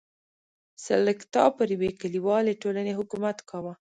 سلکتا پر یوې کلیوالې ټولنې حکومت کاوه.